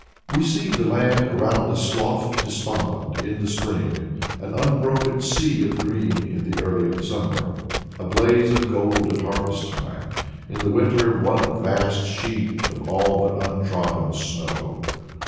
We see the land around a Slough of Despond in the spring, an unbroken sea of green in the early summer, a blaze of gold at harvest time, in the winter one vast sheet of all but untrodden snow.